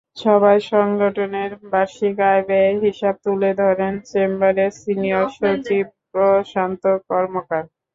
সভায় সংগঠনের বার্ষিক আয়-ব্যয়ের হিসাব তুলে ধরেন চেম্বারের সিনিয়র সচিব প্রশান্ত কর্মকার।